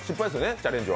チャレンジは。